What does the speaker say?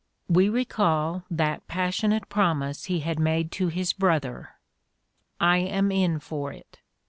We recall that passionate promise he had made to his brother: "I am in for it.